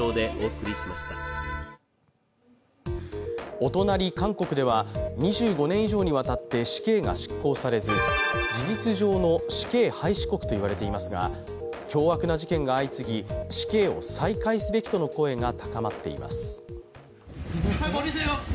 お隣・韓国では２５年以上にわたって死刑が執行されず事実上の死刑廃止国と言われていますが凶悪な事件が相次ぎ、死刑を再開すべきとの声が高まっています。